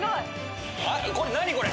これ何これ⁉